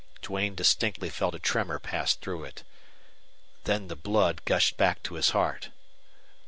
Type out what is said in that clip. Duane distinctly felt a tremor pass through it. Then the blood gushed back to his heart.